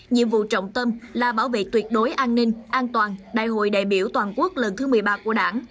nhiệm vụ trọng tâm là bảo vệ tuyệt đối an ninh an toàn đại hội đại biểu toàn quốc lần thứ một mươi ba của đảng